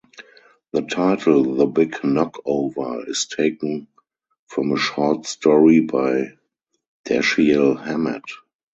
The title, "The Big Knockover," is taken from a short story by Dashiell Hammett.